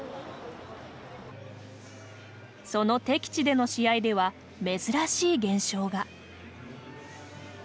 その敵地での試合では珍しい現象が。